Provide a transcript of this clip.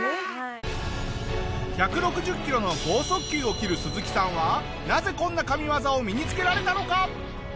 １６０キロの豪速球を斬るスズキさんはなぜこんな神技を身につけられたのか？